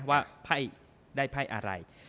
ว่าได้ไพ่อะไร